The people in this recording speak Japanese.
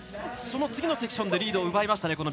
その次のセクションでリードを奪いましたね